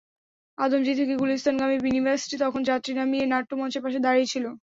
আদমজী থেকে গুলিস্তানগামী মিনিবাসটি তখন যাত্রী নামিয়ে নাট্যমঞ্চের পাশে দাঁড়িয়ে ছিল।